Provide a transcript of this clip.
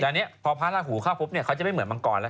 แต่อันนี้พอพระราหูเข้าปุ๊บเนี่ยเขาจะไม่เหมือนมังกรแล้ว